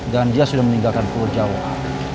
dan dia sudah meninggalkan pulau jawa